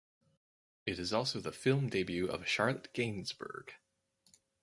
It is also the film debut of Charlotte Gainsbourg.